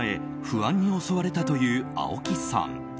不安に襲われたという青木さん。